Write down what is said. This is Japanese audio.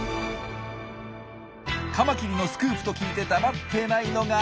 カマキリのスクープと聞いて黙ってないのが。